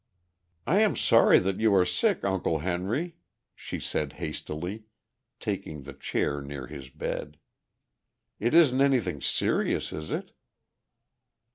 "I am sorry that you are sick, Uncle Henry," she said hastily, taking the chair near his bed. "It isn't anything serious, is it?"